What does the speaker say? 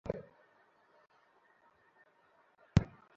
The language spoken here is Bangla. হেই টনি ওহ, ভিক, মজার তো।